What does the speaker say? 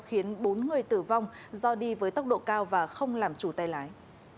khiến bốn người tử vong do đi với tốc độ cao và không làm chủ tay lái